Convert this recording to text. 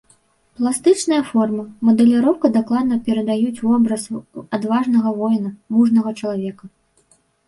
Пластычная форма, мадэліроўка дакладна перадаюць вобраз адважнага воіна, мужнага чалавека.